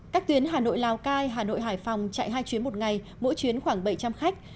các tuyến hà nội lào cai hà nội hải phòng chạy hai chuyến một ngày mỗi chuyến khoảng bảy trăm linh khách